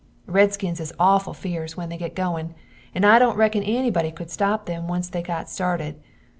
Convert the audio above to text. Red Skins is auful feerce when they get goin, and I dont rekon ennybody cood stop them once they got started.